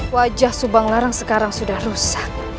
wajah subang larang sekarang sudah rusak